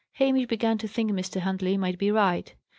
Hamish began to think Mr. Huntley might be right.